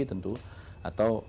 kita berharapnya tidak ada kasasi tentu